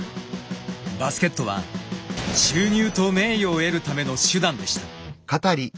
バスケットは収入と名誉を得るための手段でした。